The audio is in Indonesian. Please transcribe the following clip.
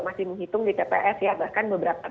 masih menghitung di tps ya bahkan beberapa